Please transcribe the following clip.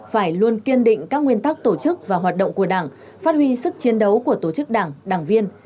phải luôn kiên định các nguyên tắc tổ chức và hoạt động của đảng phát huy sức chiến đấu của tổ chức đảng đảng viên